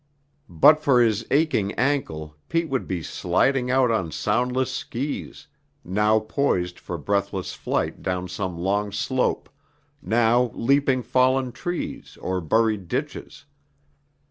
But for his aching ankle Pete would be sliding out on soundless skis, now poised for breathless flight down some long slope, now leaping fallen trees or buried ditches.